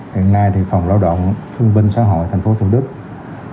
hiện nay thì phòng lao động thương binh xã hội tp hcm